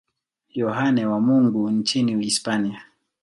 Yohane wa Mungu nchini Hispania.